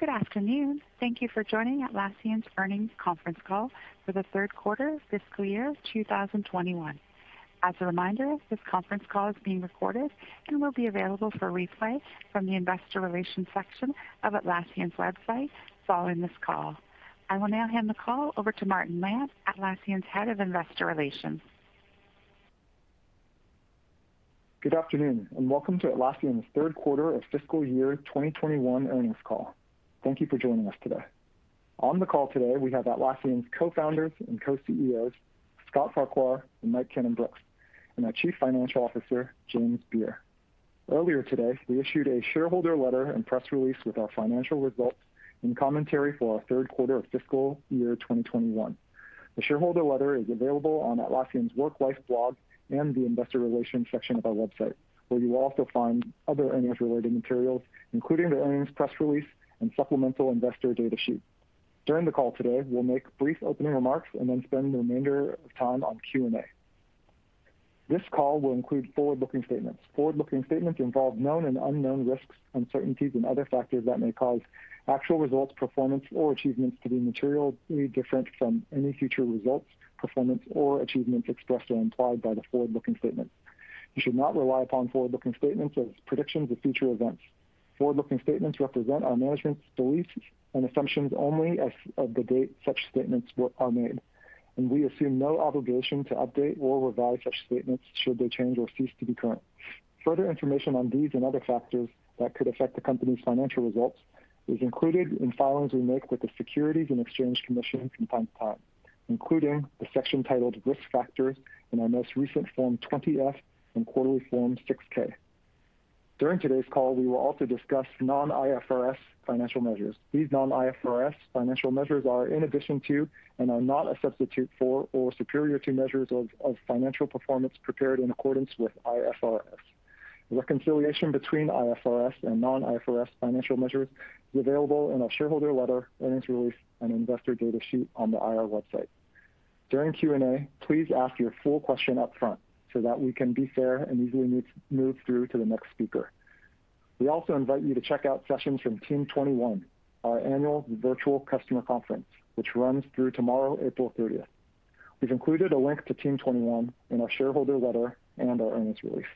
Good afternoon. Thank you for joining Atlassian's earnings conference call for the third quarter of fiscal year 2021. As a reminder, this conference call is being recorded and will be available for replay from the investor relations section of Atlassian's website following this call. I will now hand the call over to Martin Lam, Atlassian's Head of Investor Relations. Good afternoon, and welcome to Atlassian's third quarter of fiscal year 2021 earnings call. Thank you for joining us today. On the call today, we have Atlassian's Co-Founders and Co-CEOs, Scott Farquhar and Mike Cannon-Brookes, and our Chief Financial Officer, James Beer. Earlier today, we issued a shareholder letter and press release with our financial results and commentary for our third quarter of fiscal year 2021. The shareholder letter is available on Atlassian's Work Life blog and the investor relations section of our website, where you will also find other earnings-related materials, including the earnings press release and supplemental investor data sheet. During the call today, we'll make brief opening remarks and then spend the remainder of time on Q&A. This call will include forward-looking statements. Forward-looking statements involve known and unknown risks, uncertainties, and other factors that may cause actual results, performance, or achievements to be materially different from any future results, performance, or achievements expressed or implied by the forward-looking statements. You should not rely upon forward-looking statements as predictions of future events. Forward-looking statements represent our management's beliefs and assumptions only as of the date such statements are made. We assume no obligation to update or revise such statements should they change or cease to be current. Further information on these and other factors that could affect the company's financial results is included in filings we make with the Securities and Exchange Commission from time to time, including the section titled Risk Factors in our most recent Form 20-F and quarterly Form 6-K. During today's call, we will also discuss non-IFRS financial measures. These non-IFRS financial measures are in addition to and are not a substitute for or superior to measures of financial performance prepared in accordance with IFRS. Reconciliation between IFRS and non-IFRS financial measures is available in our shareholder letter, earnings release, and investor data sheet on the IR website. During Q&A, please ask your full question up front so that we can be fair and easily move through to the next speaker. We also invite you to check out sessions from Team '21, our annual virtual customer conference, which runs through tomorrow, April 30th. We've included a link to Team '21 in our shareholder letter and our earnings release.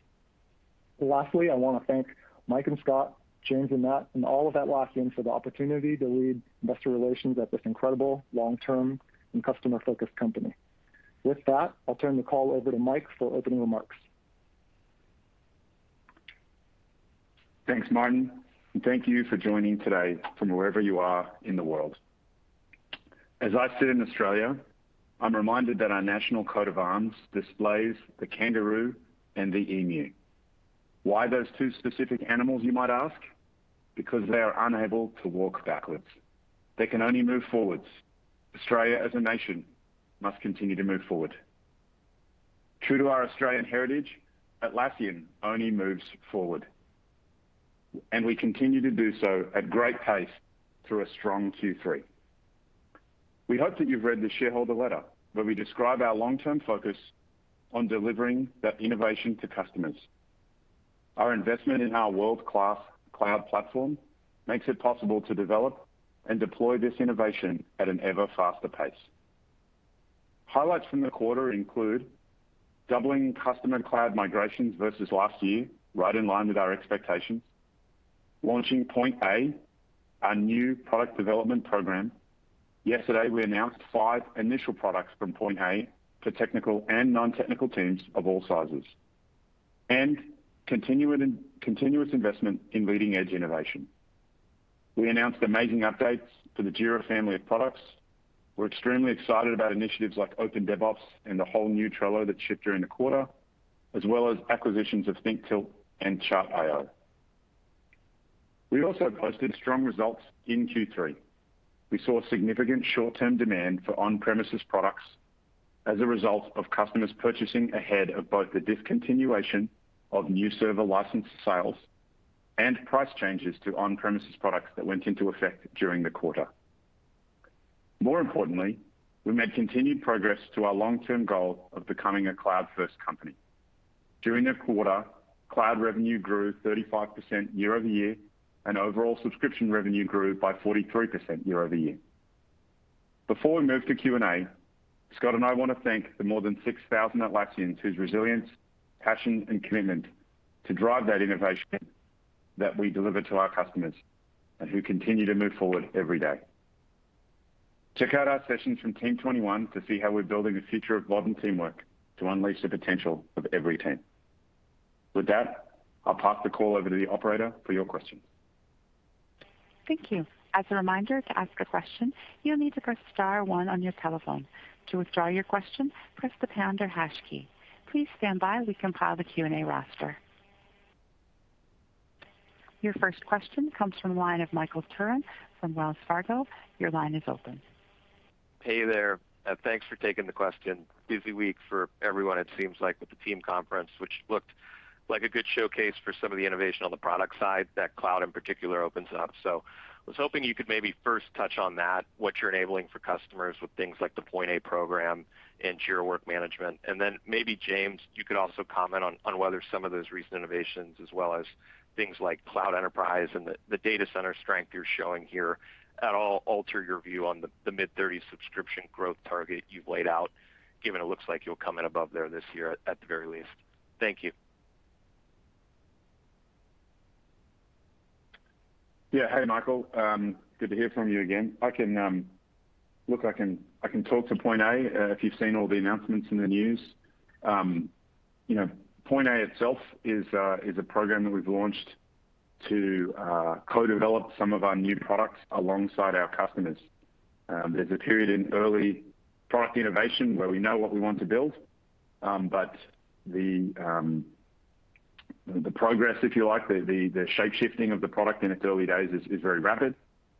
Lastly, I want to thank Mike and Scott, James and Matt, and all of Atlassian for the opportunity to lead investor relations at this incredible long-term and customer-focused company. With that, I'll turn the call over to Mike for opening remarks. Thanks, Martin. Thank you for joining today from wherever you are in the world. As I sit in Australia, I'm reminded that our national coat of arms displays the kangaroo and the emu. Why those two specific animals, you might ask? Because they are unable to walk backwards. They can only move forwards. Australia, as a nation, must continue to move forward. True to our Australian heritage, Atlassian only moves forward, and we continue to do so at great pace through a strong Q3. We hope that you've read the shareholder letter, where we describe our long-term focus on delivering that innovation to customers. Our investment in our world-class cloud platform makes it possible to develop and deploy this innovation at an ever-faster pace. Highlights from the quarter include doubling customer cloud migrations versus last year, right in line with our expectations, launching Point A, our new product development program. Yesterday, we announced five initial products from Point A for technical and non-technical teams of all sizes. Continuous investment in leading-edge innovation. We announced amazing updates to the Jira family of products. We're extremely excited about initiatives like Open DevOps and the whole new Trello that shipped during the quarter, as well as acquisitions of ThinkTilt and Chartio. We also posted strong results in Q3. We saw significant short-term demand for on-premises products as a result of customers purchasing ahead of both the discontinuation of new server license sales and price changes to on-premises products that went into effect during the quarter. More importantly, we made continued progress to our long-term goal of becoming a cloud-first company. During the quarter, cloud revenue grew 35% year-over-year, and overall subscription revenue grew by 43% year-over-year. Before we move to Q&A, Scott and I want to thank the more than 6,000 Atlassians whose resilience, passion, and commitment to drive that innovation that we deliver to our customers and who continue to move forward every day. Check out our sessions from Team '21 to see how we're building the future of modern teamwork to unleash the potential of every team. With that, I'll pass the call over to the operator for your questions. Thank you. As a reminder, to ask a question, you'll need to press star one on your telephone. To withdraw your question, press the pound or hash key. Please stand by while we compile the Q&A roster. Your first question comes from the line of Michael Turrin from Wells Fargo. Your line is open. Hey there. Thanks for taking the question. Busy week for everyone it seems like with the Team '21, which looked like a good showcase for some of the innovation on the product side that cloud in particular opens up. I was hoping you could maybe first touch on that, what you're enabling for customers with things like the Point A program and Jira Work Management. Then maybe James, you could also comment on whether some of those recent innovations, as well as things like Cloud Enterprise and the Data Center strength you're showing here at all alter your view on the mid-30% subscription growth target you've laid out, given it looks like you'll come in above there this year at the very least. Thank you. Yeah. Hey, Michael. Good to hear from you again. Look, I can talk to Point A, if you've seen all the announcements in the news. Point A itself is a program that we've launched to co-develop some of our new products alongside our customers. There's a period in early product innovation where we know what we want to build, but the progress, if you like, the shape-shifting of the product in its early days is very rapid.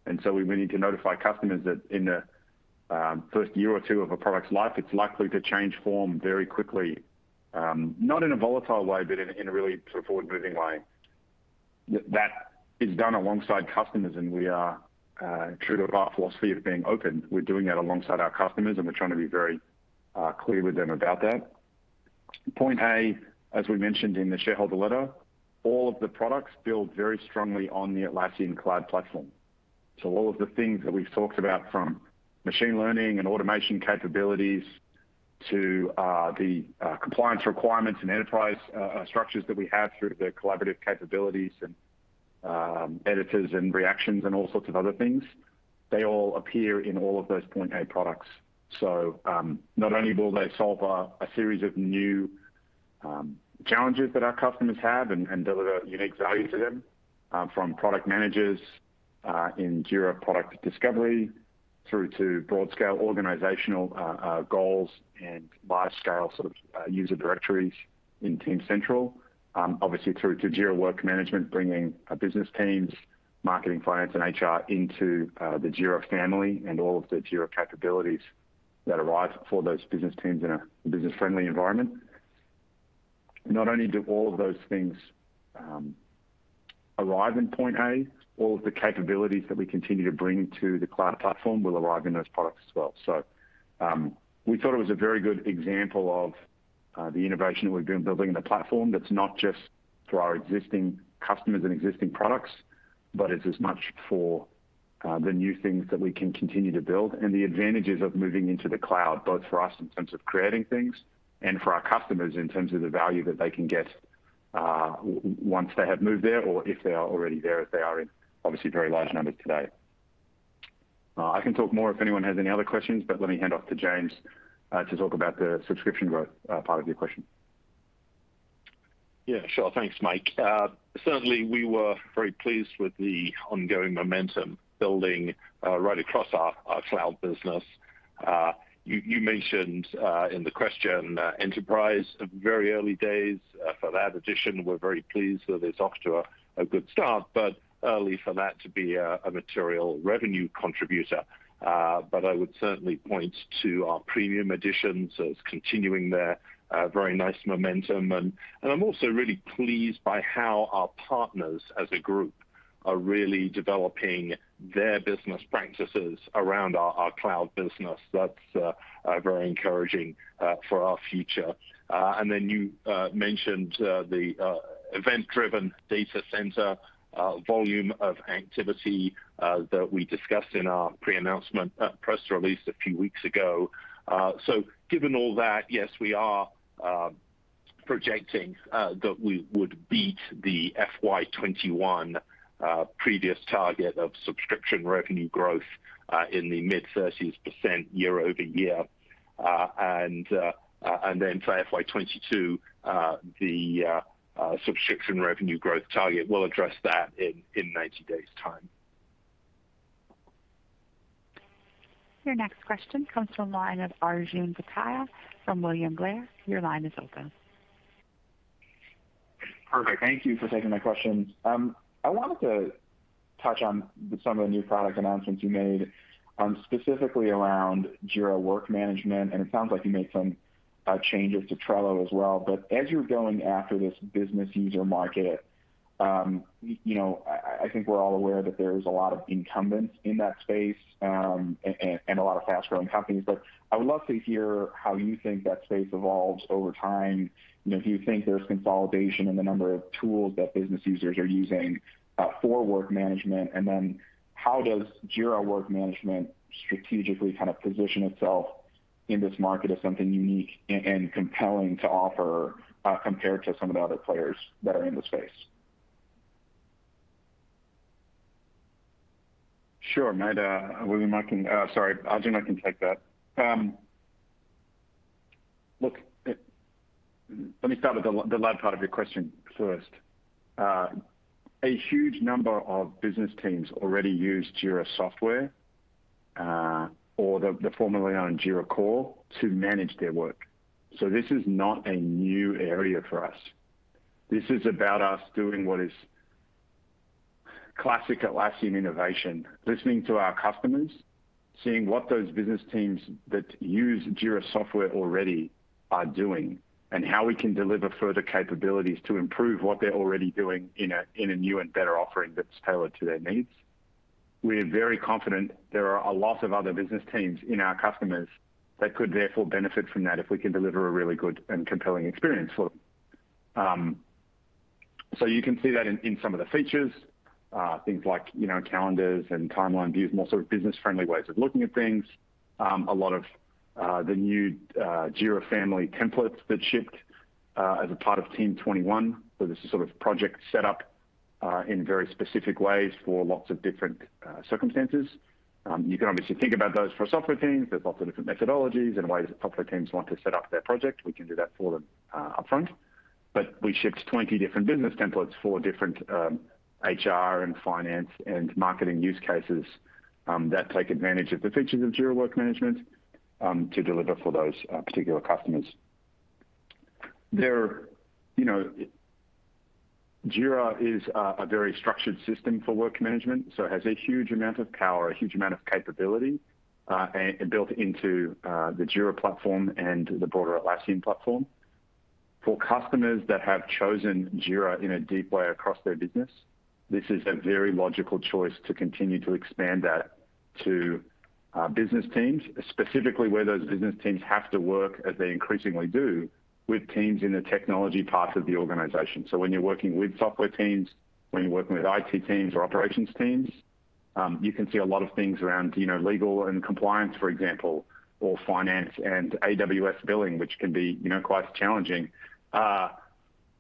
We need to notify customers that in the first year or two of a product's life, it's likely to change form very quickly. Not in a volatile way, but in a really sort of forward-moving way. That is done alongside customers, and we are true to our philosophy of being open. We're doing that alongside our customers, and we're trying to be very clear with them about that. Point A, as we mentioned in the shareholder letter, all of the products build very strongly on the Atlassian cloud platform. All of the things that we've talked about, from machine learning and automation capabilities, to the compliance requirements and enterprise structures that we have through the collaborative capabilities and editors and reactions and all sorts of other things, they all appear in all of those Point A products. Not only will they solve a series of new challenges that our customers have and deliver unique value to them, from product managers in Jira Product Discovery through to broad-scale organizational goals and large-scale user directories in Team Central. Obviously through to Jira Work Management, bringing business teams, marketing, finance, and HR into the Jira family and all of the Jira capabilities that arrive for those business teams in a business-friendly environment. Not only do all of those things arrive in Point A, all of the capabilities that we continue to bring to the cloud platform will arrive in those products as well. We thought it was a very good example of the innovation that we've been building in the platform that's not just for our existing customers and existing products, but is as much for the new things that we can continue to build and the advantages of moving into the cloud, both for us in terms of creating things and for our customers in terms of the value that they can get once they have moved there or if they are already there, as they are in obviously very large numbers today. I can talk more if anyone has any other questions, but let me hand off to James to talk about the subscription growth part of your question. Yeah, sure. Thanks, Mike. Certainly, we were very pleased with the ongoing momentum building right across our cloud business. You mentioned in the question, Enterprise, very early days for that edition. We're very pleased that it's off to a good start, early for that to be a material revenue contributor. I would certainly point to our Premium edition, it's continuing their very nice momentum. I'm also really pleased by how our partners as a group are really developing their business practices around our cloud business. That's very encouraging for our future. You mentioned the event-driven Data Center volume of activity that we discussed in our pre-announcement press release a few weeks ago. Given all that, yes, we are projecting that we would beat the FY 2021 previous target of subscription revenue growth in the mid-30s% year-over-year. for FY 2022, the subscription revenue growth target, we'll address that in 90 days time. Your next question comes from the line of Arjun Bhatia from William Blair. Your line is open. Perfect. Thank you for taking my questions. I wanted to touch on some of the new product announcements you made, specifically around Jira Work Management, and it sounds like you made some changes to Trello as well. As you're going after this business user market, I think we're all aware that there's a lot of incumbents in that space, and a lot of fast-growing companies. I would love to hear how you think that space evolves over time, and if you think there's consolidation in the number of tools that business users are using for work management. How does Jira Work Management strategically position itself in this market as something unique and compelling to offer, compared to some of the other players that are in the space? Sure. Arjun, I can take that. Look, let me start with the latter part of your question first. A huge number of business teams already use Jira Software, or the formerly known Jira Core, to manage their work. This is not a new area for us. This is about us doing what is classic Atlassian innovation, listening to our customers, seeing what those business teams that use Jira Software already are doing, and how we can deliver further capabilities to improve what they're already doing in a new and better offering that's tailored to their needs. We're very confident there are a lot of other business teams in our customers that could therefore benefit from that if we can deliver a really good and compelling experience for them. You can see that in some of the features, things like calendars and timeline views, more sort of business-friendly ways of looking at things. The new Jira family templates that shipped as a part of Team '21. This is sort of project set up in very specific ways for lots of different circumstances. You can obviously think about those for software teams. There are lots of different methodologies and ways that software teams want to set up their project. We can do that for them upfront. We shipped 20 different business templates for different HR and finance and marketing use cases that take advantage of the features of Jira Work Management to deliver for those particular customers. Jira is a very structured system for work management, it has a huge amount of power, a huge amount of capability built into the Jira platform and the broader Atlassian platform. For customers that have chosen Jira in a deep way across their business, this is a very logical choice to continue to expand that to business teams, specifically where those business teams have to work as they increasingly do with teams in the technology part of the organization. When you're working with software teams, when you're working with IT teams or operations teams, you can see a lot of things around legal and compliance, for example, or finance and AWS billing, which can be quite challenging.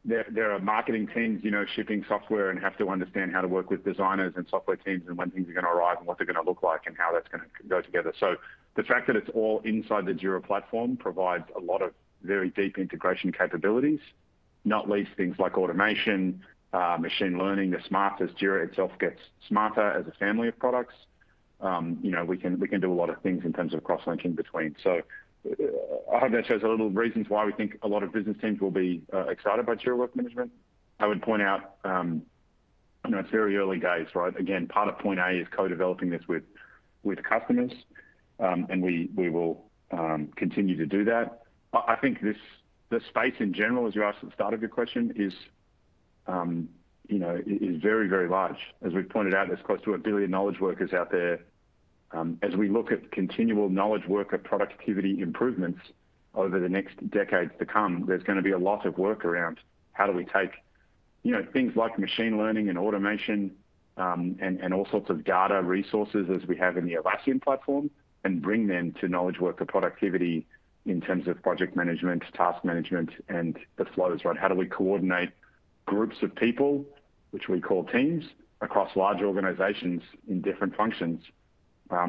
There are marketing teams shipping software and have to understand how to work with designers and software teams and when things are going to arrive and what they're going to look like and how that's going to go together. The fact that it's all inside the Jira platform provides a lot of very deep integration capabilities, not least things like automation, machine learning. The smarter Jira itself gets smarter as a family of products. We can do a lot of things in terms of cross-linking between. I hope that shows a little reasons why we think a lot of business teams will be excited by Jira Work Management. I would point out, it's very early days, right? Again, part of Point A is co-developing this with customers, and we will continue to do that. I think the space in general, as you asked at the start of your question, is very large. As we pointed out, there's close to a billion knowledge workers out there. As we look at continual knowledge worker productivity improvements over the next decades to come, there's going to be a lot of work around how do we take things like machine learning and automation, and all sorts of data resources as we have in the Atlassian platform, and bring them to knowledge worker productivity in terms of project management, task management, and the flows, right? How do we coordinate groups of people, which we call teams, across large organizations in different functions?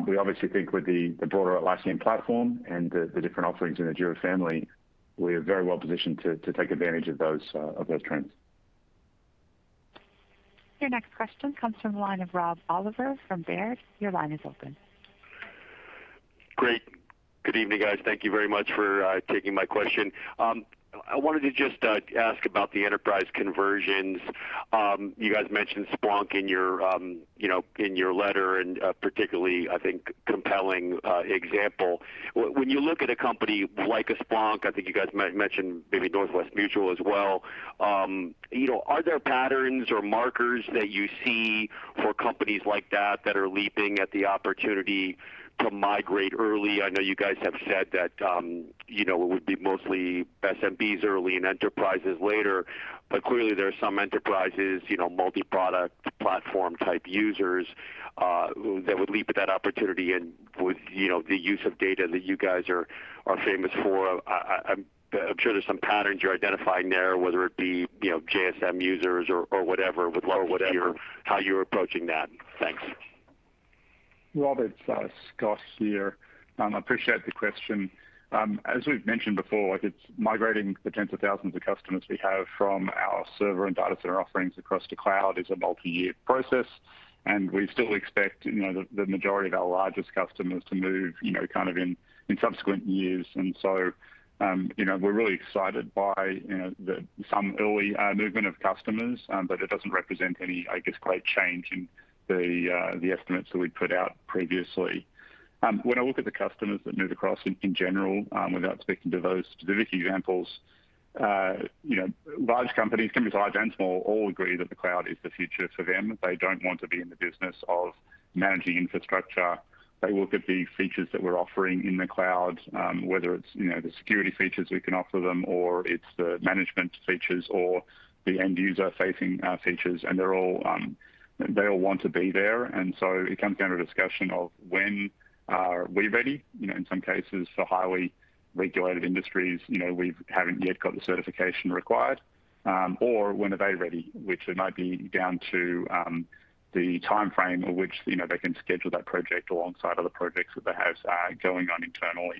We obviously think with the broader Atlassian platform and the different offerings in the Jira family, we are very well positioned to take advantage of those trends. Your next question comes from the line of Rob Oliver from Baird. Your line is open. Great. Good evening, guys. Thank you very much for taking my question. I wanted to just ask about the enterprise conversions. You guys mentioned Splunk in your letter, and particularly, I think, compelling example. When you look at a company like a Splunk, I think you guys might mention maybe Northwestern Mutual as well, are there patterns or markers that you see for companies like that that are leaping at the opportunity to migrate early? I know you guys have said that it would be mostly SMBs early and enterprises later, but clearly there are some enterprises, multi-product platform type users, that would leap at that opportunity and with the use of data that you guys are famous for. I'm sure there's some patterns you're identifying there, whether it be JSM users or whatever. Would love to hear how you're approaching that. Thanks. Rob, it's Scott here. I appreciate the question. As we've mentioned before, migrating the tens of thousands of customers we have from our server and data center offerings across to cloud is a multi-year process, and we still expect the majority of our largest customers to move, kind of in subsequent years. We're really excited by some early movement of customers, but it doesn't represent any, I guess, great change in the estimates that we'd put out previously. When I look at the customers that move across in general, without speaking to those specific examples, large companies large and small, all agree that the cloud is the future for them. They don't want to be in the business of managing infrastructure. They look at the features that we're offering in the cloud, whether it's the security features we can offer them, or it's the management features or the end-user facing features, and they all want to be there. It comes down to a discussion of when are we ready. In some cases, for highly regulated industries, we haven't yet got the certification required. When are they ready, which it might be down to the timeframe at which they can schedule that project alongside other projects that they have going on internally.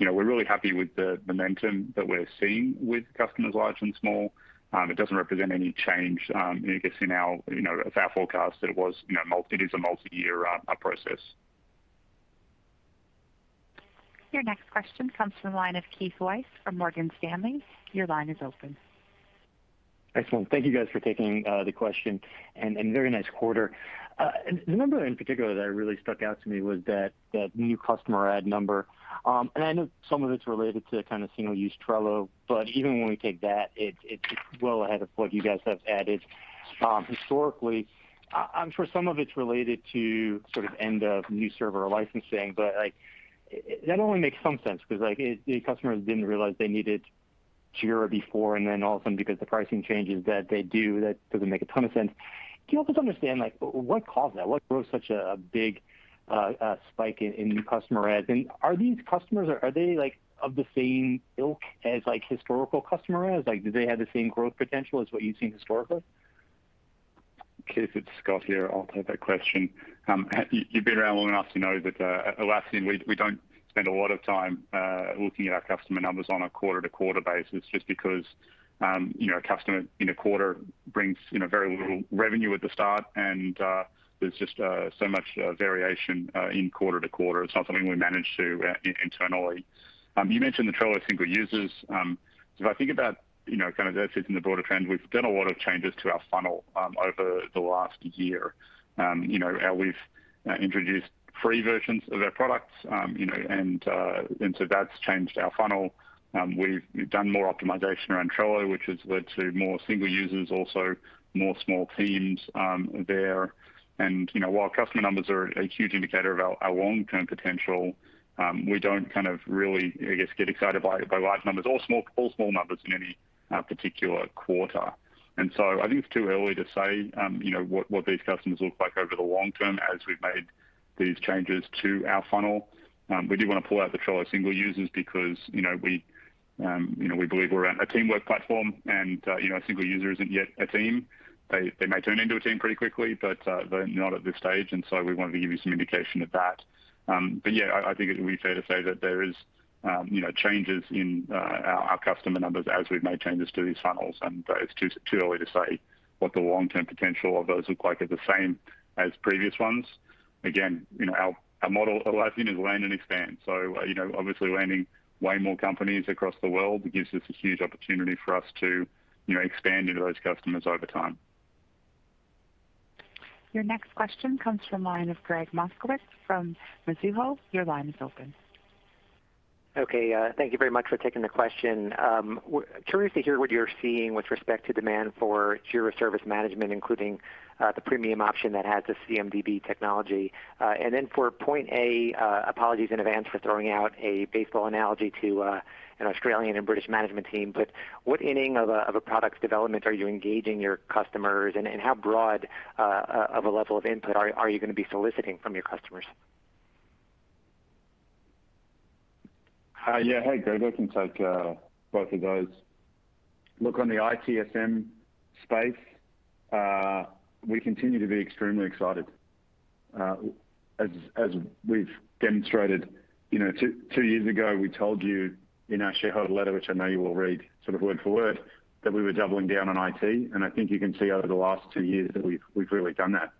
We're really happy with the momentum that we're seeing with customers large and small. It doesn't represent any change in, I guess, our forecast that it is a multi-year process. Your next question comes from the line of Keith Weiss from Morgan Stanley. Your line is open. Excellent. Thank you guys for taking the question. Very nice quarter. The number in particular that really stuck out to me was that new customer add number. I know some of it's related to kind of single use Trello, but even when we take that, it's well ahead of what you guys have added historically. I'm sure some of it's related to sort of end of new server licensing, but that only makes some sense because the customers didn't realize they needed Jira before. All of a sudden because the pricing changes that they do, that doesn't make a ton of sense. Can you help us understand, what caused that? What drove such a big spike in new customer adds? Are these customers, are they of the same ilk as historical customer adds? Do they have the same growth potential as what you've seen historically? Keith, it's Scott here. I'll take that question. You've been around long enough to know that at Atlassian, we don't spend a lot of time looking at our customer numbers on a quarter-to-quarter basis just because a customer in a quarter brings very little revenue at the start, and there's just so much variation in quarter-to-quarter. It's not something we manage to internally. You mentioned the Trello single users. If I think about kind of that fits in the broader trend, we've done a lot of changes to our funnel over the last year. How we've introduced free versions of our products, and so that's changed our funnel. We've done more optimization around Trello, which has led to more single users, also more small teams there. While customer numbers are a huge indicator of our long-term potential, we don't kind of really, I guess, get excited by large numbers or small numbers in any particular quarter. I think it's too early to say what these customers look like over the long term as we've made these changes to our funnel. We do want to pull out the Trello single users because we believe we're a teamwork platform, and a single user isn't yet a team. They may turn into a team pretty quickly, but they're not at this stage, and so we wanted to give you some indication of that. Yeah, I think it would be fair to say that there is changes in our customer numbers as we've made changes to these funnels, and it's too early to say what the long-term potential of those look like as the same as previous ones. Again, our model at Atlassian is land and expand. Obviously landing way more companies across the world gives us a huge opportunity for us to expand into those customers over time. Your next question comes from the line of Gregg Moskowitz from Mizuho. Your line is open. Okay. Thank you very much for taking the question. Curious to hear what you're seeing with respect to demand for Jira Service Management, including the premium option that has the CMDB technology. For Point A, apologies in advance for throwing out a baseball analogy to an Australian and British management team, but what inning of a product development are you engaging your customers, and how broad of a level of input are you going to be soliciting from your customers? Hey, Gregg. I can take both of those. On the ITSM space, we continue to be extremely excited. As we've demonstrated, two years ago, we told you in our shareholder letter, which I know you all read sort of word for word, that we were doubling down on IT. I think you can see over the last two years that we've really done that.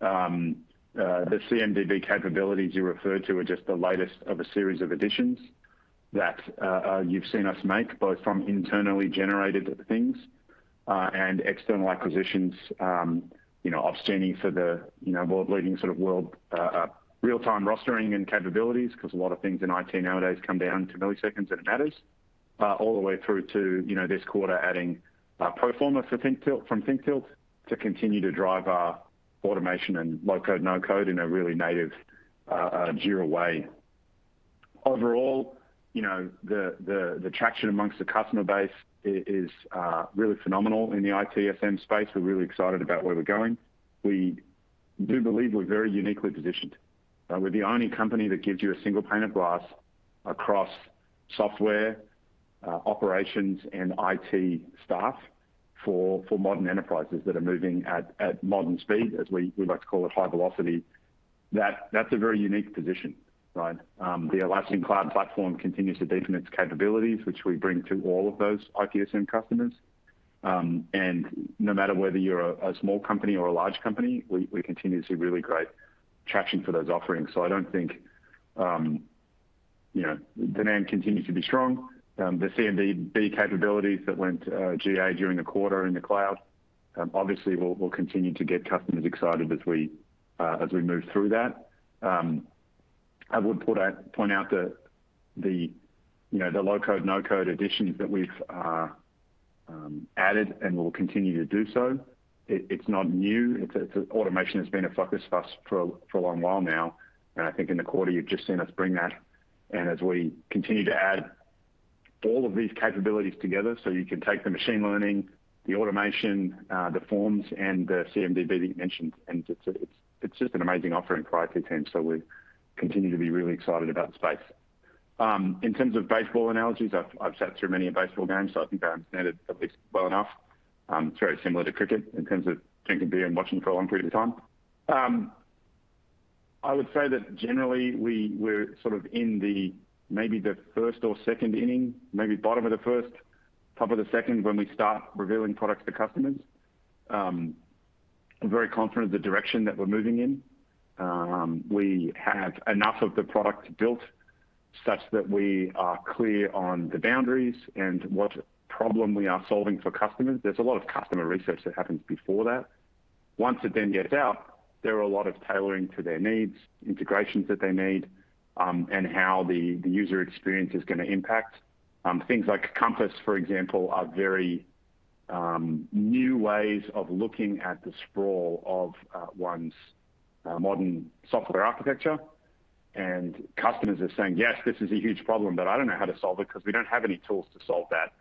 The CMDB capabilities you referred to are just the latest of a series of additions that you've seen us make, both from internally generated things, and external acquisitions, upstreaming for the world leading sort of world real-time rostering and capabilities, because a lot of things in IT nowadays come down to milliseconds, and it matters, all the way through to this quarter adding ProForma from ThinkTilt to continue to drive our automation and low-code, no-code in a really native Jira way. Overall, the traction amongst the customer base is really phenomenal in the ITSM space. We're really excited about where we're going. We do believe we're very uniquely positioned. We're the only company that gives you a single pane of glass across software, operations, and IT staff for modern enterprises that are moving at modern speed, as we like to call it, high velocity. That's a very unique position, right? The Atlassian cloud platform continues to deepen its capabilities, which we bring to all of those ITSM customers. No matter whether you're a small company or a large company, we continue to see really great traction for those offerings. Demand continues to be strong. The CMDB capabilities that went GA during the quarter in the cloud, obviously will continue to get customers excited as we move through that. I would point out the low-code/no-code additions that we've added, and we'll continue to do so. It's not new. Automation has been a focus for us for a long while now. I think in the quarter you've just seen us bring that. As we continue to add all of these capabilities together, you can take the machine learning, the automation, the forms, and the CMDB that you mentioned. It's just an amazing offering for IT teams. We continue to be really excited about the space. In terms of baseball analogies, I've sat through many a baseball game, so I think I understand it at least well enough. It's very similar to cricket in terms of drinking beer and watching for a long period of time. I would say that generally, we're sort of maybe the first or second inning. Maybe bottom of the first, top of the second when we start revealing products to customers. I'm very confident of the direction that we're moving in. We have enough of the product built such that we are clear on the boundaries and what problem we are solving for customers. There's a lot of customer research that happens before that. Once it gets out, there are a lot of tailoring to their needs, integrations that they need, and how the user experience is going to impact. Things like Compass, for example, are very new ways of looking at the sprawl of one's modern software architecture. Customers are saying, "Yes, this is a huge problem, but I don't know how to solve it because we don't have any tools to solve that."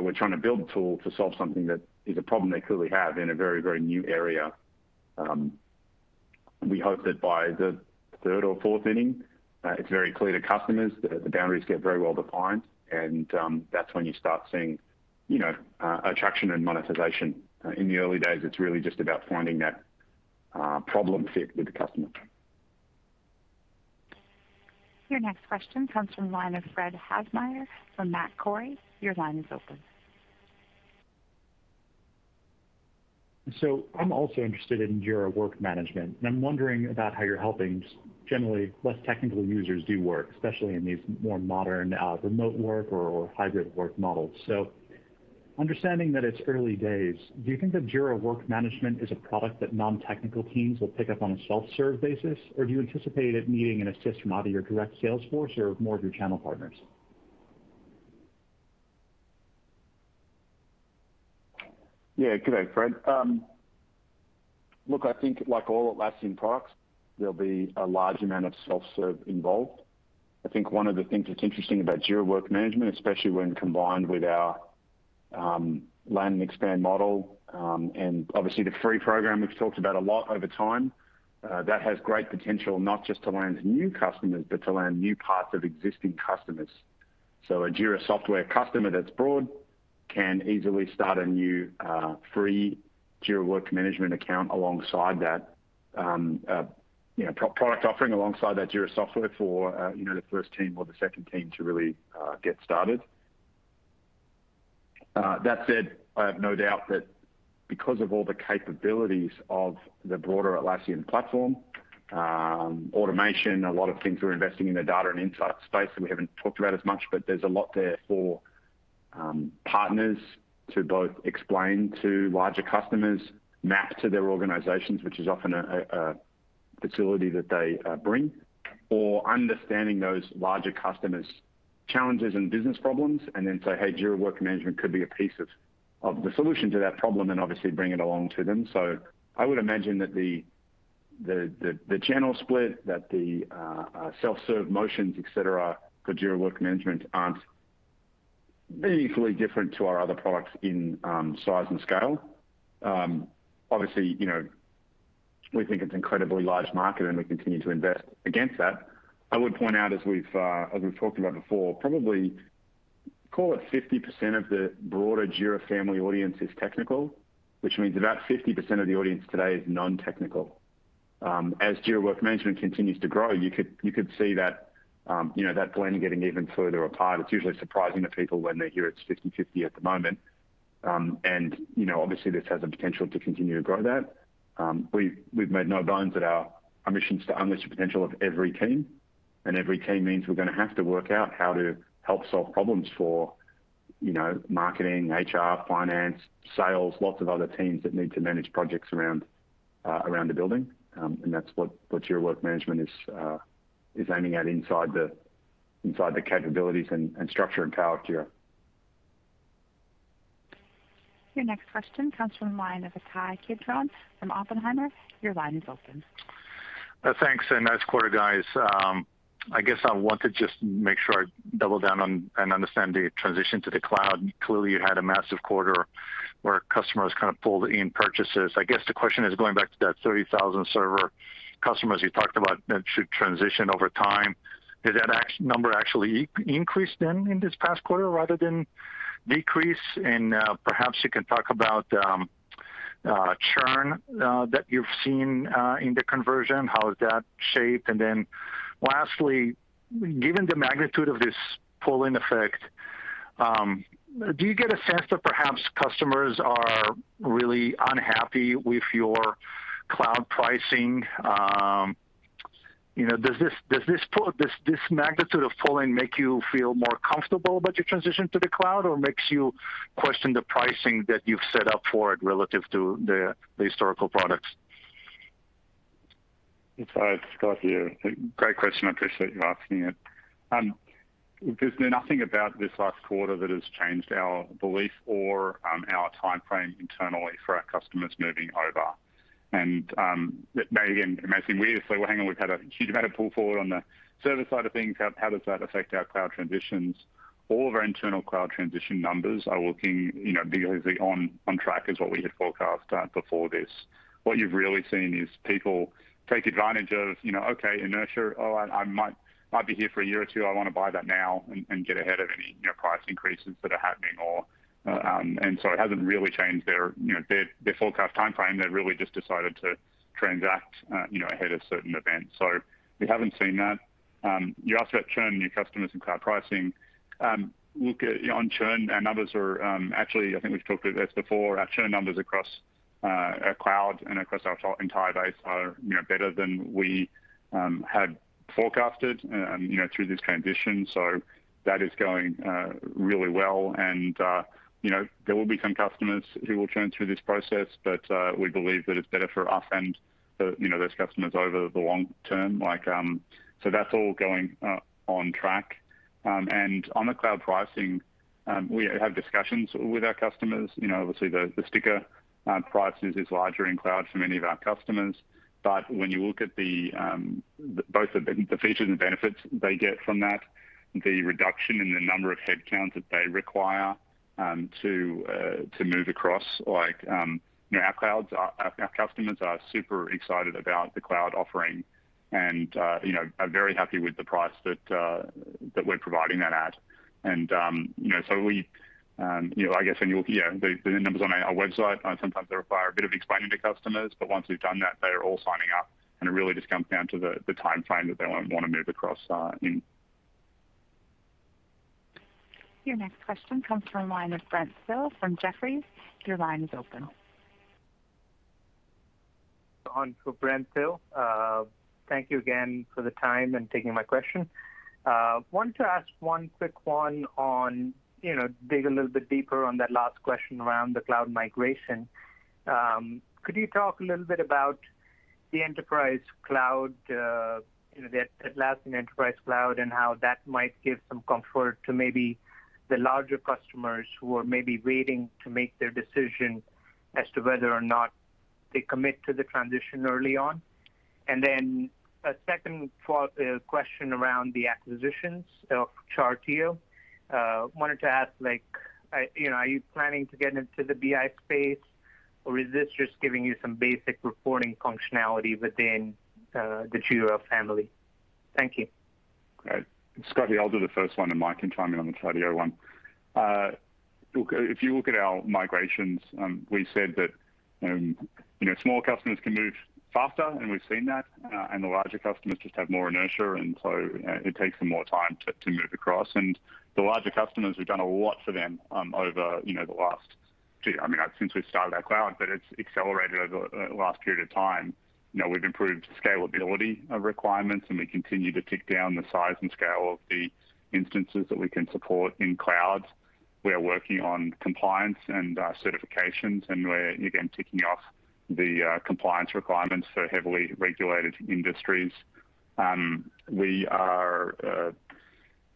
We're trying to build a tool to solve something that is a problem they clearly have in a very new area. We hope that by the third or fourth inning, it's very clear to customers that the boundaries get very well-defined, and that's when you start seeing attraction and monetization. In the early days, it's really just about finding that problem fit with the customer. Your next question comes from the line of Fred Havemeyer from Macquarie. Your line is open. I'm also interested in Jira Work Management, and I'm wondering about how you're helping generally less technical users do work, especially in these more modern remote work or hybrid work models. Understanding that it's early days, do you think that Jira Work Management is a product that non-technical teams will pick up on a self-serve basis, or do you anticipate it needing an assist from either your direct sales force or more of your channel partners? Yeah. Good day, Fred. Look, I think like all Atlassian products, there'll be a large amount of self-serve involved. I think one of the things that's interesting about Jira Work Management, especially when combined with our land and expand model, and obviously the free program we've talked about a lot over time. That has great potential not just to land new customers, but to land new parts of existing customers. A Jira Software customer that's broad can easily start a new free Jira Work Management account alongside that product offering, alongside that Jira Software for the first team or the second team to really get started. That said, I have no doubt that because of all the capabilities of the broader Atlassian platform, automation, a lot of things we're investing in the data and insight space that we haven't talked about as much, but there's a lot there for partners to both explain to larger customers, map to their organizations, which is often a facility that they bring, or understanding those larger customers' challenges and business problems and then say, "Hey, Jira Work Management could be a piece of the solution to that problem," and obviously bring it along to them. I would imagine that the channel split, that the self-serve motions, et cetera, for Jira Work Management aren't meaningfully different to our other products in size and scale. Obviously, we think it's an incredibly large market and we continue to invest against that. I would point out, as we've talked about before, probably call it 50% of the broader Jira family audience is technical, which means about 50% of the audience today is non-technical. As Jira Work Management continues to grow, you could see that blend getting even further apart. It's usually surprising to people when they hear it's 50/50 at the moment. Obviously this has the potential to continue to grow that. We've made no bones that our mission is to unleash the potential of every team, and every team means we're going to have to work out how to help solve problems for marketing, HR, finance, sales, lots of other teams that need to manage projects around the building. That's what Jira Work Management is aiming at inside the capabilities and structure and power of Jira. Your next question comes from the line of Ittai Kidron from Oppenheimer. Your line is open. Thanks. Nice quarter, guys. I guess I want to just make sure I double down on and understand the transition to the cloud. Clearly, you had a massive quarter where customers kind of pulled in purchases. I guess the question is going back to that 30,000 server customers you talked about that should transition over time. Did that number actually increase then in this past quarter rather than decrease? Perhaps you can talk about churn that you've seen in the conversion, how has that shaped? Lastly, given the magnitude of this pull-in effect, do you get a sense that perhaps customers are really unhappy with your cloud pricing? Does this magnitude of pull-in make you feel more comfortable about your transition to the cloud, or makes you question the pricing that you've set up for it relative to the historical products? Ittai, Scott here. Great question. I appreciate you asking it. There's been nothing about this last quarter that has changed our belief or our timeframe internally for our customers moving over. Again, it may seem weird. Hang on, we've had a huge amount of pull forward on the service side of things. How does that affect our cloud transitions? All of our internal cloud transition numbers are looking busy on track as what we had forecast before this. What you've really seen is people take advantage of, okay, inertia. Oh, I might be here for a year or two. I want to buy that now and get ahead of any price increases that are happening. It hasn't really changed their forecast timeframe. They've really just decided to transact ahead of certain events. We haven't seen that. You asked about churn, new customers, and cloud pricing. Look on churn and others are actually, I think we've talked about this before, our churn numbers across our cloud and across our entire base are better than we had forecasted through this transition. That is going really well. There will be some customers who will churn through this process, but we believe that it's better for us and those customers over the long term. That's all going on track. On the cloud pricing, we have discussions with our customers. Obviously, the sticker price is larger in cloud for many of our customers. When you look at both the features and benefits they get from that, the reduction in the number of headcounts that they require to move across. Our customers are super excited about the cloud offering and are very happy with the price that we're providing that at. I guess when you look here, the numbers on our website, sometimes they require a bit of explaining to customers. Once we've done that, they're all signing up, and it really just comes down to the timeframe that they want to move across in. Your next question comes from the line of Brent Thill from Jefferies. Your line is open. On for Brent Thill. Thank you again for the time and taking my question. Wanted to ask one quick one, dig a little bit deeper on that last question around the cloud migration. Could you talk a little bit about the Atlassian enterprise cloud and how that might give some comfort to maybe the larger customers who are maybe waiting to make their decision as to whether or not they commit to the transition early on? Then a second question around the acquisitions of Chartio. Wanted to ask, are you planning to get into the BI space, or is this just giving you some basic reporting functionality within the Jira family? Thank you. Great. Its Scott. I'll do the first one, and Mike can chime in on the Chartio one. If you look at our migrations, we said that small customers can move faster, and we've seen that. The larger customers just have more inertia, and so it takes them more time to move across. The larger customers, we've done a lot for them over the last two years, since we've started our Cloud, but it's accelerated over the last period of time. We've improved scalability of requirements, and we continue to tick down the size and scale of the instances that we can support in Cloud. We are working on compliance and certifications, and we're again ticking off the compliance requirements for heavily regulated industries.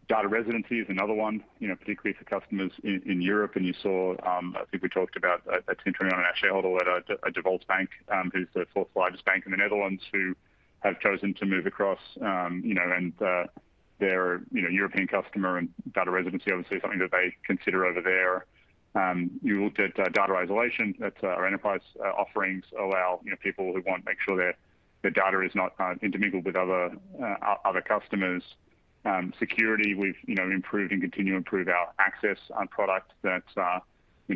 Data residency is another one, particularly for customers in Europe. You saw, I think we talked about a sentiment on our shareholder letter, De Volksbank, who's the fourth largest bank in the Netherlands, who have chosen to move across. They're a European customer, and data residency obviously is something that they consider over there. You looked at data isolation. Our enterprise offerings allow people who want to make sure their data is not intermingled with other customers'. Security, we've improved and continue to improve our access product that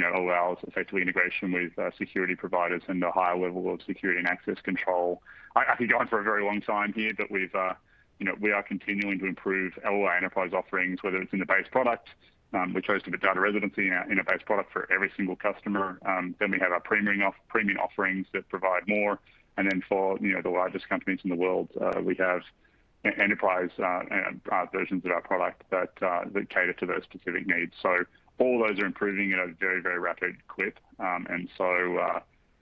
allows effectively integration with security providers and a higher level of security and access control. I could go on for a very long time here, but we are continuing to improve all our enterprise offerings, whether it's in the base product. We chose to put data residency in our base product for every single customer. We have our premium offerings that provide more. For the largest companies in the world, we have enterprise versions of our product that cater to those specific needs. All those are improving at a very, very rapid clip.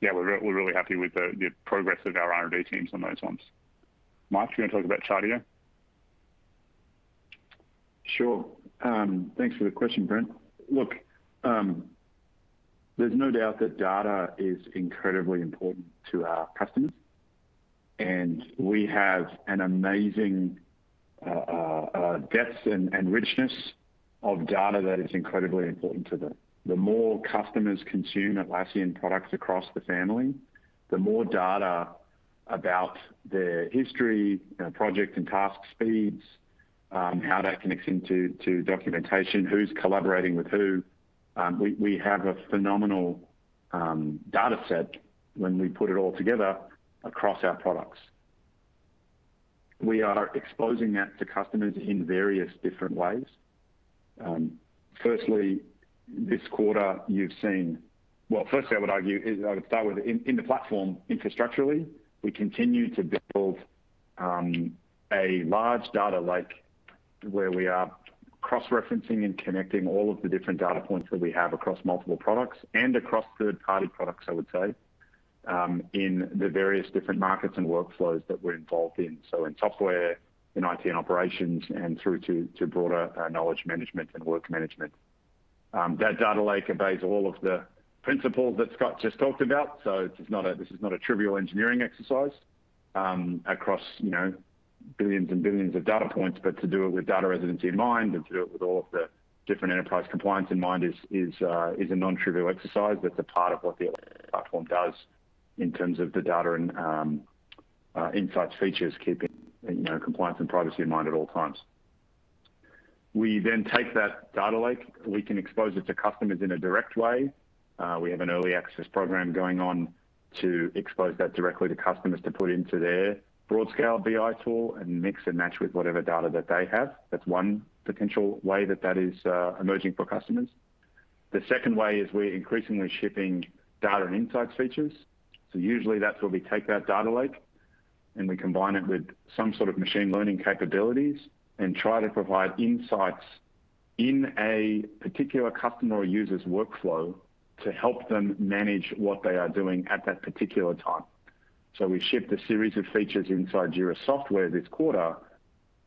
Yeah, we're really happy with the progress of our R&D teams on those ones. Mike, do you want to talk about Chartio? Sure. Thanks for the question, Brent. Look, there's no doubt that data is incredibly important to our customers, and we have an amazing depth and richness of data that is incredibly important to them. The more customers consume Atlassian products across the family, the more data about their history, project and task speeds, how that connects into documentation, who's collaborating with who. We have a phenomenal data set when we put it all together across our products. We are exposing that to customers in various different ways. Firstly, I would start with in the platform, infrastructurally, we continue to build a large data lake, where we are cross-referencing and connecting all of the different data points that we have across multiple products and across third-party products, I would say, in the various different markets and workflows that we're involved in. In software, in IT operations, and through to broader knowledge management and work management. That data lake obeys all of the principles that Scott just talked about, so this is not a trivial engineering exercise across billions and billions of data points. To do it with data residency in mind and to do it with all of the different enterprise compliance in mind is a non-trivial exercise, but a part of what the platform does in terms of the data and insights features, keeping compliance and privacy in mind at all times. We take that data lake. We can expose it to customers in a direct way. We have an early access program going on to expose that directly to customers to put into their broad scale BI tool and mix and match with whatever data that they have. That's one potential way that that is emerging for customers. The second way is we're increasingly shipping data and insights features. Usually that's where we take that data lake, and we combine it with some sort of machine learning capabilities and try to provide insights in a particular customer or user's workflow to help them manage what they are doing at that particular time. We shipped a series of features inside Jira Software this quarter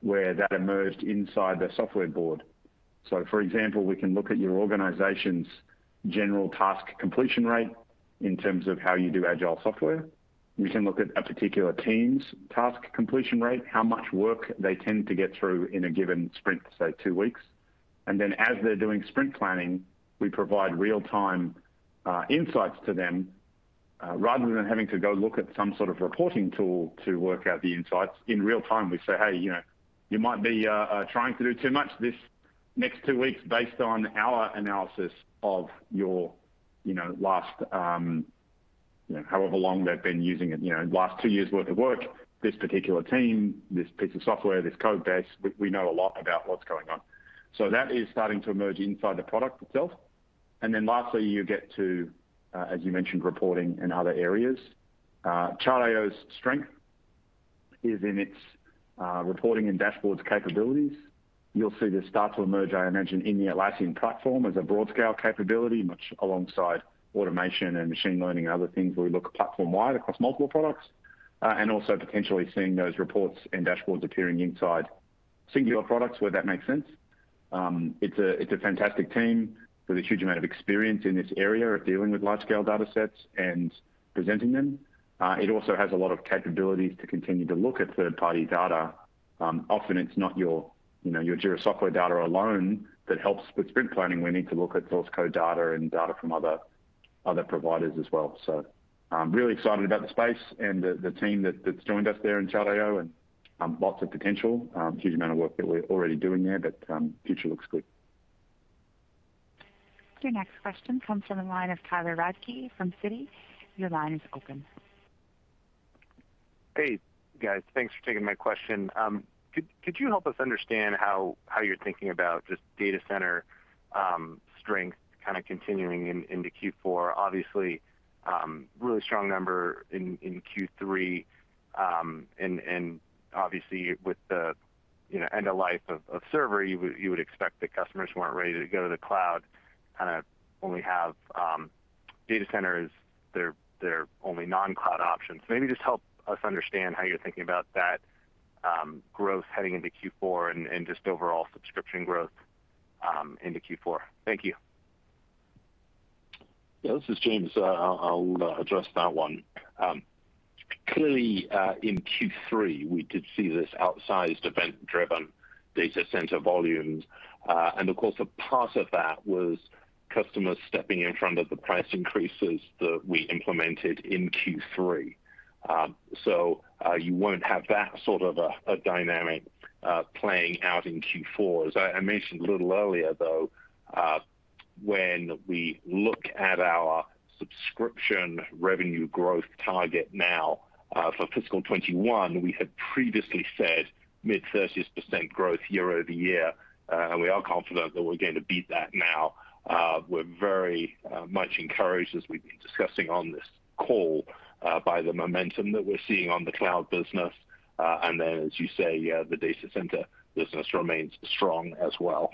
where that emerged inside the software board. For example, we can look at your organization's general task completion rate in terms of how you do Agile software. We can look at a particular team's task completion rate, how much work they tend to get through in a given sprint, say, two weeks. As they're doing sprint planning, we provide real-time insights to them, rather than having to go look at some sort of reporting tool to work out the insights. In real time, we say, "Hey, you might be trying to do too much this next two weeks based on our analysis of your last" however long they've been using it, last two years worth of work, this particular team, this piece of software, this code base. We know a lot about what's going on. That is starting to emerge inside the product itself. Lastly, you get to, as you mentioned, reporting in other areas. Chartio's strength is in its reporting and dashboards capabilities. You'll see this start to emerge, I imagine, in the Atlassian platform as a broad scale capability, much alongside automation and machine learning and other things where we look platform wide across multiple products. Also potentially seeing those reports and dashboards appearing inside singular products where that makes sense. It's a fantastic team with a huge amount of experience in this area of dealing with large scale data sets and presenting them. It also has a lot of capabilities to continue to look at third-party data. Often it's not your Jira Software data alone that helps with sprint planning. We need to look at source code data and data from other providers as well. I'm really excited about the space and the team that's joined us there in Chartio and lots of potential. Huge amount of work that we're already doing there, future looks good. Your next question comes from the line of Tyler Radke from Citi. Your line is open. Hey, guys. Thanks for taking my question. Could you help us understand how you're thinking about just data center strength kind of continuing into Q4? Obviously, really strong number in Q3. Obviously with the end of life of server, you would expect that customers who aren't ready to go to the cloud kind of only have Data Centers, their only non-cloud options. Maybe just help us understand how you're thinking about that growth heading into Q4 and just overall subscription growth into Q4. Thank you. Yeah. This is James. I'll address that one. Clearly, in Q3, we did see this outsized event-driven data center volumes. Of course, a part of that was customers stepping in front of the price increases that we implemented in Q3. You won't have that sort of a dynamic playing out in Q4. As I mentioned a little earlier, though, when we look at our subscription revenue growth target now for FY 2021, we had previously said mid-30s% growth year-over-year. We are confident that we're going to beat that now. We're very much encouraged, as we've been discussing on this call, by the momentum that we're seeing on the cloud business. Then, as you say, the Data Center business remains strong as well.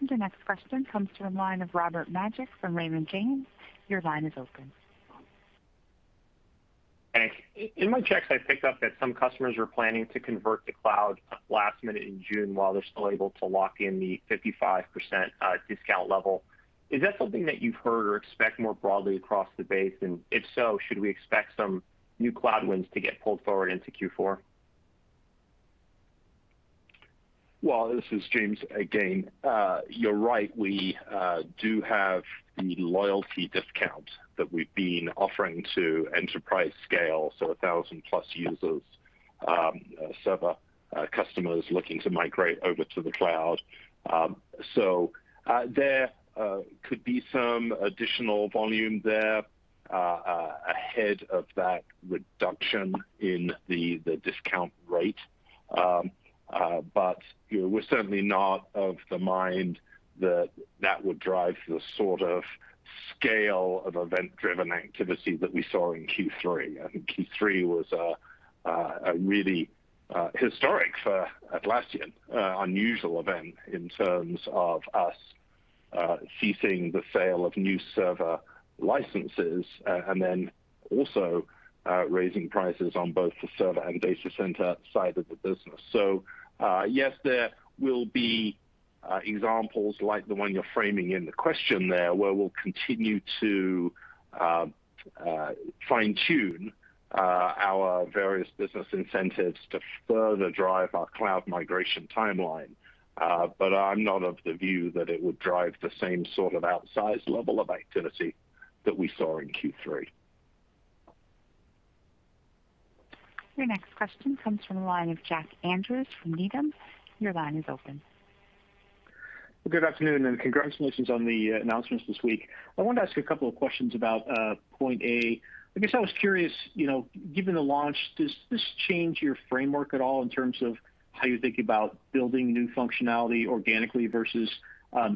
Your next question comes from the line of Robert Majek from Raymond James. Your line is open. Thanks. In my checks, I picked up that some customers were planning to convert to cloud last minute in June while they're still able to lock in the 55% discount level. Is that something that you've heard or expect more broadly across the base? If so, should we expect some new cloud wins to get pulled forward into Q4? Well, this is James again. You're right. We do have the loyalty discount that we've been offering to enterprise scale, so 1,000 plus users, server customers looking to migrate over to the cloud. There could be some additional volume there ahead of that reduction in the discount rate. We're certainly not of the mind that that would drive the sort of scale of event-driven activity that we saw in Q3. I think Q3 was a really historic for Atlassian, unusual event in terms of us ceasing the sale of new server licenses, also raising prices on both the server and data center side of the business. Yes, there will be examples like the one you're framing in the question there, where we'll continue to fine-tune our various business incentives to further drive our cloud migration timeline. I'm not of the view that it would drive the same sort of outsized level of activity that we saw in Q3. Your next question comes from the line of Jack Andrews from Needham. Your line is open. Good afternoon. Congratulations on the announcements this week. I wanted to ask you a couple of questions about Point A. I guess I was curious, given the launch, does this change your framework at all in terms of how you think about building new functionality organically versus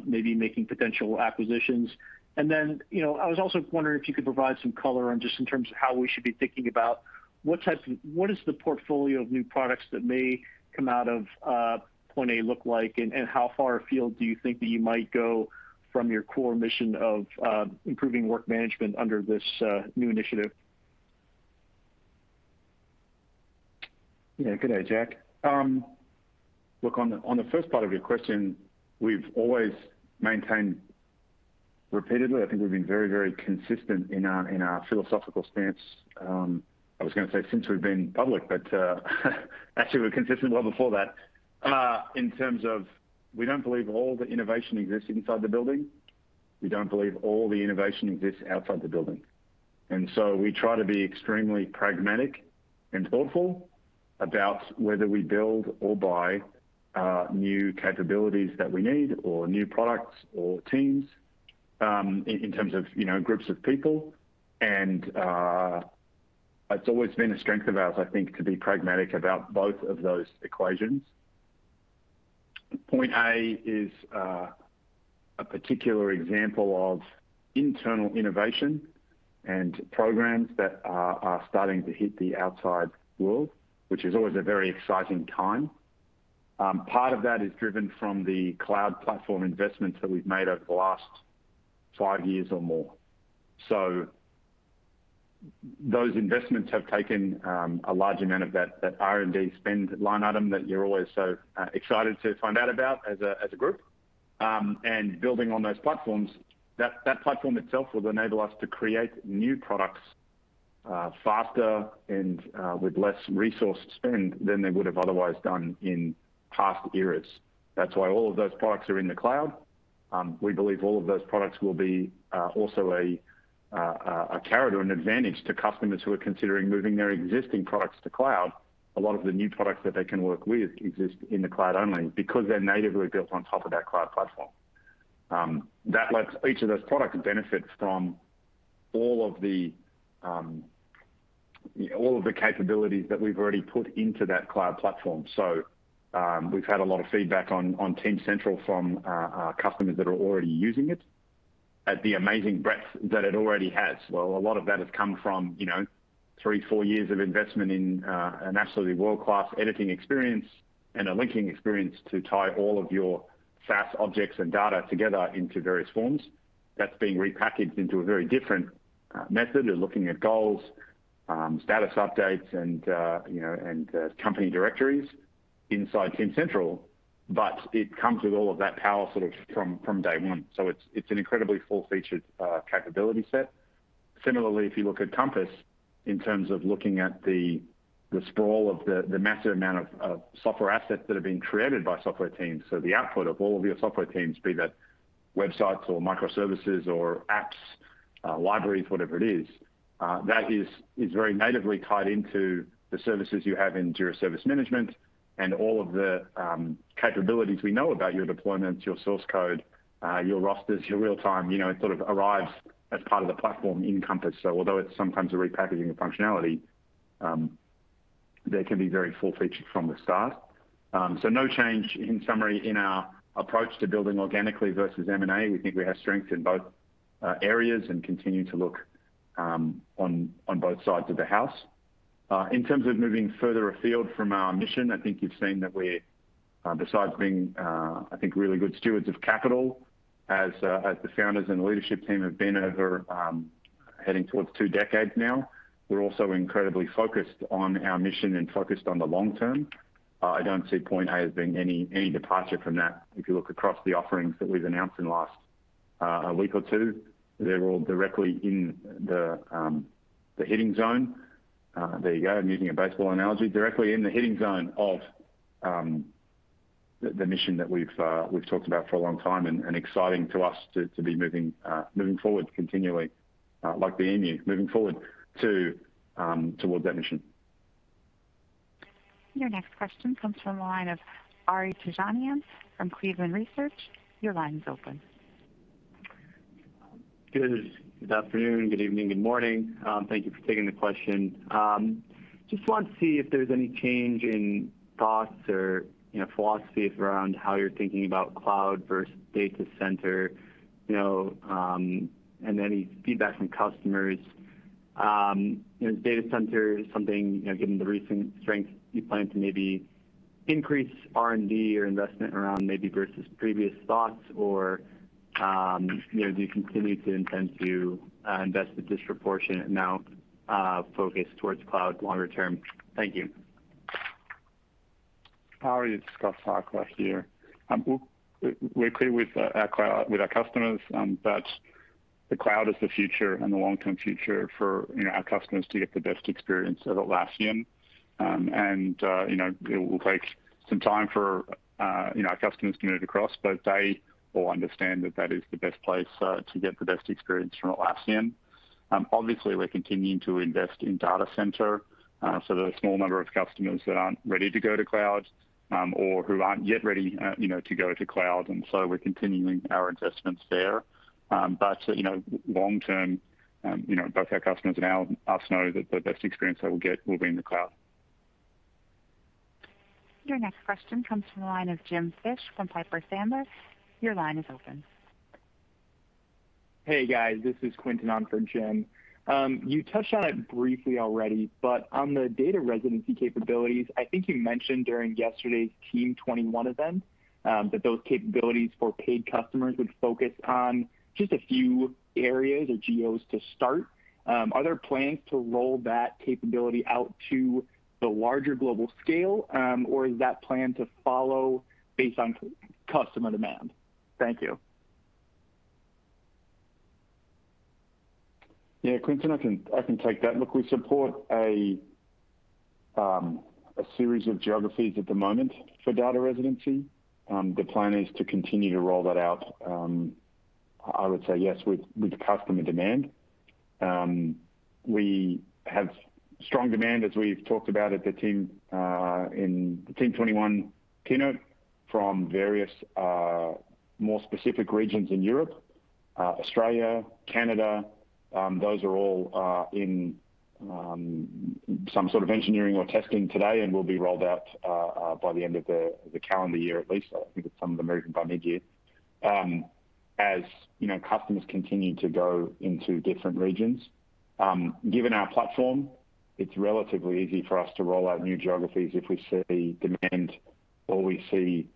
maybe making potential acquisitions? I was also wondering if you could provide some color on just in terms of how we should be thinking about what is the portfolio of new products that may come out of Point A look like, and how far afield do you think that you might go from your core mission of improving work management under this new initiative? Yeah. Good day, Jack. On the first part of your question, we've always maintained repeatedly, I think we've been very consistent in our philosophical stance, I was going to say since we've been public, but actually we were consistent well before that, in terms of we don't believe all the innovation exists inside the building. We don't believe all the innovation exists outside the building. We try to be extremely pragmatic and thoughtful about whether we build or buy new capabilities that we need or new products or teams, in terms of groups of people. It's always been a strength of ours, I think, to be pragmatic about both of those equations. Point A is a particular example of internal innovation and programs that are starting to hit the outside world, which is always a very exciting time. Part of that is driven from the cloud platform investments that we've made over the last five years or more. Those investments have taken a large amount of that R&D spend line item that you're always so excited to find out about as a group. Building on those platforms, that platform itself will enable us to create new products faster and with less resource spend than they would have otherwise done in past eras. That's why all of those products are in the cloud. We believe all of those products will be also a character, an advantage to customers who are considering moving their existing products to cloud. A lot of the new products that they can work with exist in the cloud only because they're natively built on top of that cloud platform. Each of those products benefits from all of the capabilities that we've already put into that cloud platform. We've had a lot of feedback on Team Central from our customers that are already using it at the amazing breadth that it already has. A lot of that has come from three, four years of investment in an absolutely world-class editing experience and a linking experience to tie all of your SaaS objects and data together into various forms. That's being repackaged into a very different method of looking at goals, status updates, and company directories inside Team Central. It comes with all of that power sort of from day one. It's an incredibly full-featured capability set. Similarly, if you look at Compass, in terms of looking at the sprawl of the massive amount of software assets that have been created by software teams. The output of all of your software teams, be that websites or microservices or apps, libraries, whatever it is, that is very natively tied into the services you have in Jira Service Management and all of the capabilities we know about your deployments, your source code, your rosters, your real time. It sort of arrives as part of the platform in Compass. Although it's sometimes a repackaging of functionality, they can be very full-featured from the start. No change, in summary, in our approach to building organically versus M&A. We think we have strengths in both areas and continue to look on both sides of the house. In terms of moving further afield from our mission, I think you've seen that we're, besides being I think really good stewards of capital as the founders and leadership team have been over heading towards two decades now. We're also incredibly focused on our mission and focused on the long term. I don't see Point A as being any departure from that. If you look across the offerings that we've announced in the last week or two, they're all directly in the hitting zone. There you go, I'm using a baseball analogy. Directly in the hitting zone of the mission that we've talked about for a long time, and exciting to us to be moving forward continually, like the emu, moving forward towards that mission. Your next question comes from the line of Ari Terjanian from Cleveland Research Company. Your line's open. Good afternoon, good evening, good morning. Thank you for taking the question. Just wanted to see if there's any change in thoughts or philosophies around how you're thinking about cloud versus data center, and any feedback from customers. Data center is something, given the recent strength, do you plan to maybe increase R&D or investment around maybe versus previous thoughts? Or do you continue to intend to invest a disproportionate amount focused towards cloud longer term? Thank you. Ari, it's Scott Farquhar here. We're clear with our customers that the cloud is the future and the long-term future for our customers to get the best experience of Atlassian. It will take some time for our customers to move across, but they all understand that that is the best place to get the best experience from Atlassian. Obviously, we're continuing to invest in data center. There's a small number of customers that aren't ready to go to cloud or who aren't yet ready to go to cloud, and so we're continuing our investments there. Long term, both our customers and us know that the best experience they will get will be in the cloud. Your next question comes from the line of James Fish from Piper Sandler. Your line is open. Hey, guys. This is Quentin on for Jim. You touched on it briefly already, but on the data residency capabilities, I think you mentioned during yesterday's Team '21 event that those capabilities for paid customers would focus on just a few areas or geos to start. Are there plans to roll that capability out to the larger global scale? Is that plan to follow based on customer demand? Thank you. Yeah, Quentin, I can take that. Look, we support a series of geographies at the moment for data residency. The plan is to continue to roll that out, I would say, yes, with customer demand. We have strong demand, as we've talked about in the Team '21 keynote from various more specific regions in Europe, Australia, Canada. Those are all in some sort of engineering or testing today, and will be rolled out by the end of the calendar year at least. I think at some of them maybe by mid-year. As customers continue to go into different regions. Given our platform, it's relatively easy for us to roll out new geographies if we see demand or we see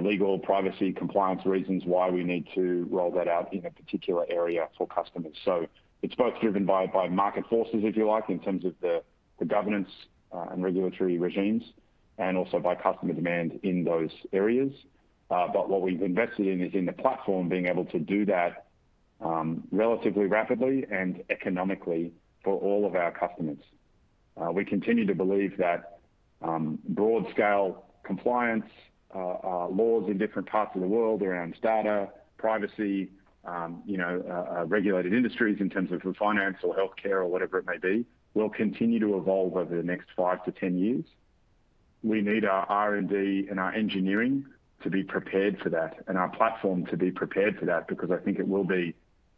legal privacy compliance reasons why we need to roll that out in a particular area for customers. It's both driven by market forces, if you like, in terms of the governance and regulatory regimes, and also by customer demand in those areas. What we've invested in is in the platform being able to do that relatively rapidly and economically for all of our customers. We continue to believe that broad scale compliance laws in different parts of the world around data, privacy, regulated industries in terms of finance or healthcare or whatever it may be, will continue to evolve over the next 5-10 years. We need our R&D and our engineering to be prepared for that, and our platform to be prepared for that. I think it will be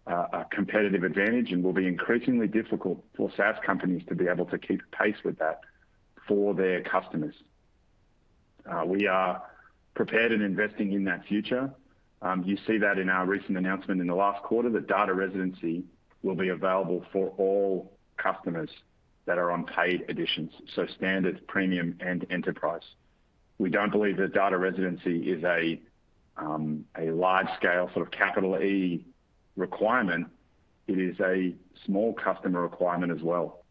a competitive advantage and will be increasingly difficult for SaaS companies to be able to keep pace with that for their customers. We are prepared and investing in that future. You see that in our recent announcement in the last quarter, that data residency will be available for all customers that are on paid editions, so standard, premium, and enterprise. We don't believe that data residency is a large scale sort of capital E requirement. It is a small customer requirement as well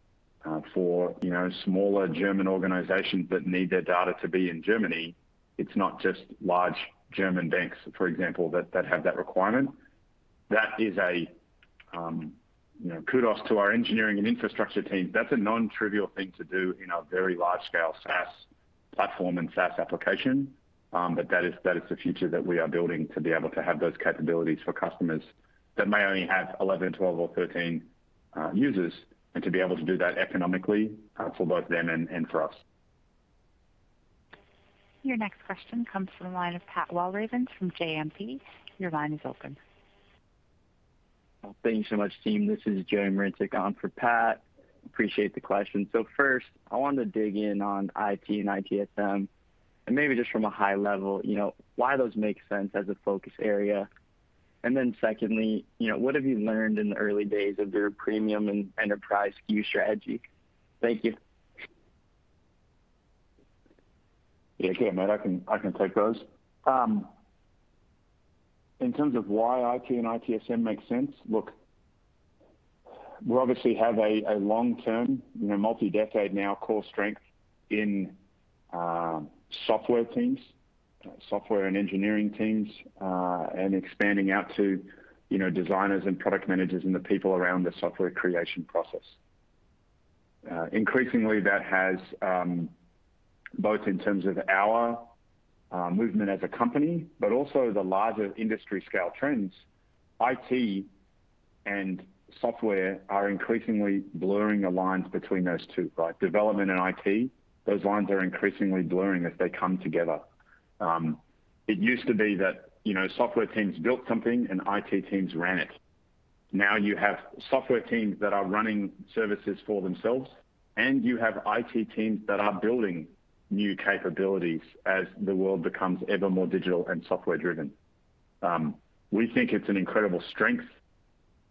for smaller German organizations that need their data to be in Germany. It's not just large German banks, for example, that have that requirement. Kudos to our engineering and infrastructure team. That's a non-trivial thing to do in a very large scale SaaS platform and SaaS application. That is the future that we are building to be able to have those capabilities for customers that may only have 11, 12 or 13 users, and to be able to do that economically for both them and for us. Your next question comes from the line of Pat Walravens from JMP. Your line is open. Well, thank you so much, team. This is Joe Meredith on for Pat. Appreciate the question. First, I wanted to dig in on IT and ITSM, and maybe just from a high level, why those make sense as a focus area. Secondly, what have you learned in the early days of your premium and enterprise SKU strategy? Thank you. Yeah. Okay, mate, I can take those. In terms of why IT and ITSM makes sense. Look, we obviously have a long-term, multi-decade now core strength in software teams, software and engineering teams, and expanding out to designers and product managers and the people around the software creation process. Increasingly, that has both in terms of our movement as a company, but also the larger industry scale trends. IT and software are increasingly blurring the lines between those two. Like development and IT, those lines are increasingly blurring as they come together. It used to be that software teams built something and IT teams ran it. Now you have software teams that are running services for themselves, and you have IT teams that are building new capabilities as the world becomes ever more digital and software driven. We think it's an incredible strength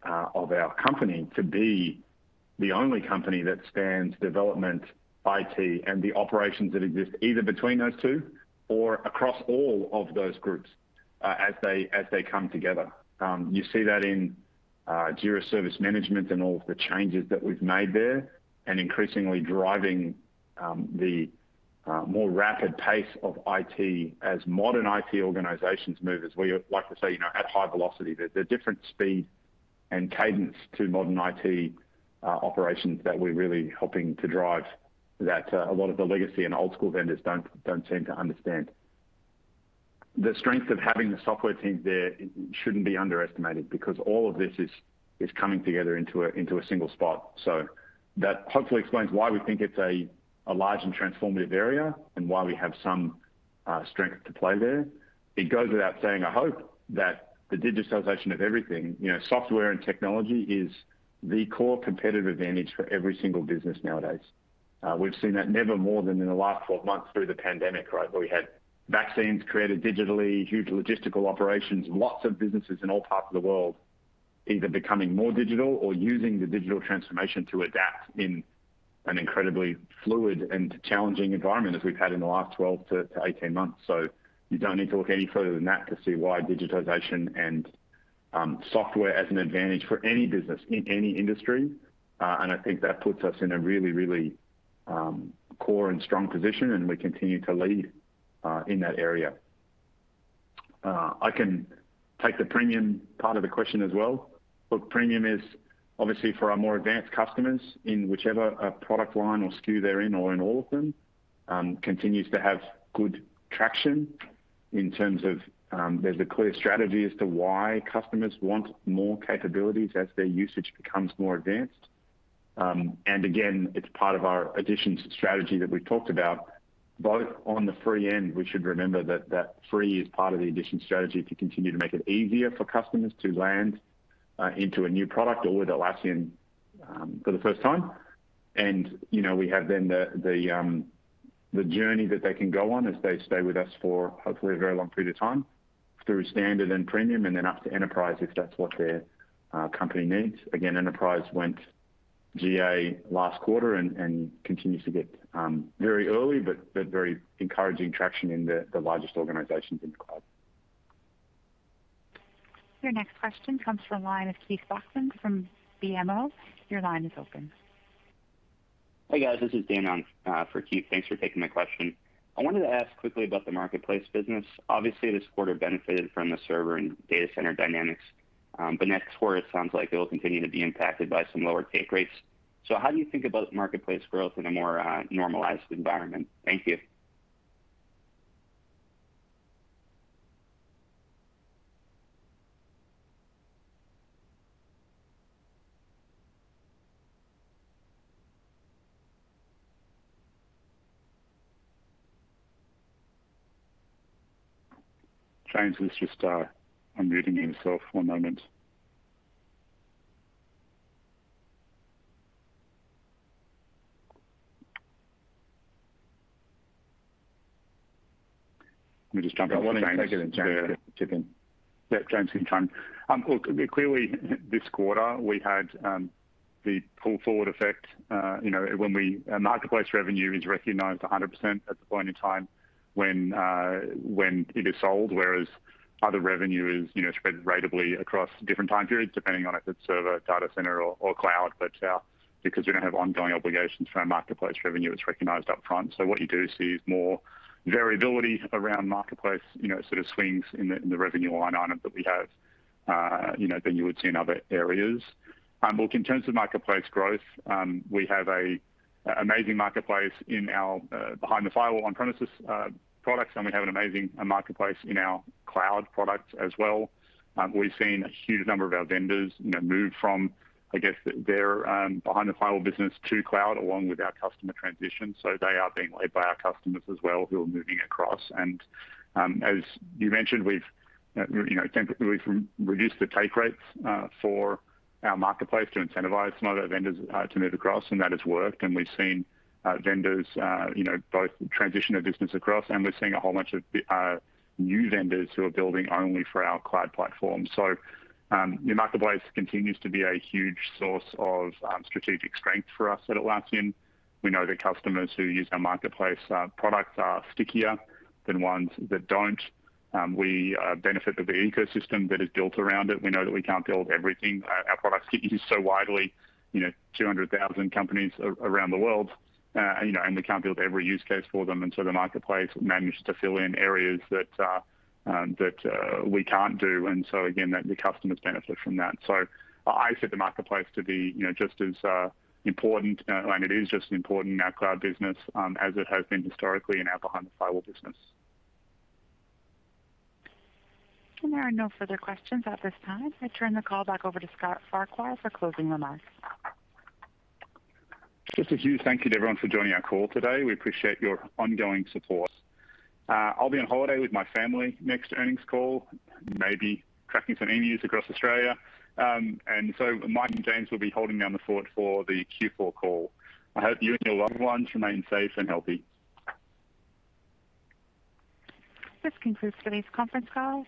of our company to be the only company that spans development, IT, and the operations that exist either between those two or across all of those groups as they come together. You see that in Jira Service Management and all of the changes that we've made there, and increasingly driving the more rapid pace of IT as modern IT organizations move, as we like to say, at high velocity. The different speed and cadence to modern IT operations that we're really helping to drive that a lot of the legacy and old school vendors don't seem to understand. The strength of having the software team there shouldn't be underestimated, because all of this is coming together into a single spot. That hopefully explains why we think it's a large and transformative area, and why we have some strength to play there. It goes without saying, I hope, that the digitalization of everything, software and technology is the core competitive advantage for every single business nowadays. We've seen that never more than in the last 12 months through the pandemic, right, where we had vaccines created digitally, huge logistical operations, lots of businesses in all parts of the world either becoming more digital or using the digital transformation to adapt in an incredibly fluid and challenging environment as we've had in the last 12 to 18 months. You don't need to look any further than that to see why digitization and software as an advantage for any business in any industry. I think that puts us in a really, really core and strong position, and we continue to lead in that area. I can take the Premium part of the question as well. Look, Premium is obviously for our more advanced customers in whichever product line or SKU they're in, or in all of them, continues to have good traction in terms of there's a clear strategy as to why customers want more capabilities as their usage becomes more advanced. Again, it's part of our editions strategy that we talked about, both on the Free end, we should remember that Free is part of the editions strategy to continue to make it easier for customers to land into a new product or with Atlassian for the first time. We have then the journey that they can go on as they stay with us for, hopefully, a very long period of time, through Standard and Premium and then up to Enterprise if that's what their company needs. Again, Enterprise went GA last quarter and continues to get very early, but very encouraging traction in the largest organizations in the cloud. Your next question comes from the line of Keith Bachman from BMO. Your line is open. Hi, guys. This is Dan for Keith. Thanks for taking my question. I wanted to ask quickly about the marketplace business. Obviously, this quarter benefited from the server and data center dynamics. Next quarter, it sounds like it will continue to be impacted by some lower take rates. How do you think about marketplace growth in a more normalized environment? Thank you. James needs to start unmuting himself. One moment. Let me just jump in, James. I want to take it and James can chip in. Yeah, James can chime in. Look, clearly this quarter, we had the pull-forward effect. Marketplace revenue is recognized 100% at the point in time when it is sold, whereas other revenue is spread ratably across different time periods, depending on if it's server, Data Center, or Cloud. Because we don't have ongoing obligations for our marketplace revenue, it's recognized upfront. What you do see is more variability around marketplace sort of swings in the revenue line item that we have than you would see in other areas. Look, in terms of marketplace growth, we have a amazing marketplace behind the firewall on-premises products, and we have an amazing marketplace in our cloud products as well. We've seen a huge number of our vendors move from, I guess, their behind-the-firewall business to cloud, along with our customer transition. They are being led by our customers as well, who are moving across. As you mentioned, we've temporarily reduced the take rates for our marketplace to incentivize some of our vendors to move across, and that has worked. We've seen vendors both transition their business across, and we're seeing a whole bunch of new vendors who are building only for our cloud platform. Your marketplace continues to be a huge source of strategic strength for us at Atlassian. We know that customers who use our marketplace products are stickier than ones that don't. We benefit with the ecosystem that is built around it. We know that we can't build everything. Our products get used so widely, 200,000 companies around the world, we can't build every use case for them. The marketplace manages to fill in areas that we can't do. Again, the customers benefit from that. I see the marketplace to be just as important, and it is just as important in our cloud business as it has been historically in our behind-the-firewall business. There are no further questions at this time. I turn the call back over to Scott Farquhar for closing remarks. Just a huge thank you to everyone for joining our call today. We appreciate your ongoing support. I'll be on holiday with my family next earnings call, maybe tracking some emus across Australia. Mike and James will be holding down the fort for the Q4 call. I hope you and your loved ones remain safe and healthy. This concludes today's conference call.